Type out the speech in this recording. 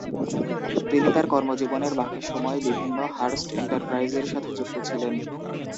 তিনি তার কর্মজীবনের বাকি সময় বিভিন্ন হার্স্ট এন্টারপ্রাইজের সাথে যুক্ত ছিলেন।